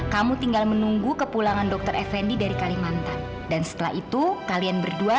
kamu tinggal menunggu kepulangan dokter effendi dari kalimantan dan setelah itu kalian berdua